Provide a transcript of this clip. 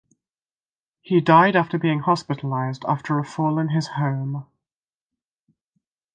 He died after being hospitalized after a fall in his home.